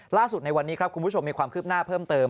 ล่าสุดในวันนี้ครับคุณผู้ชมมีความคืบหน้าเพิ่มเติม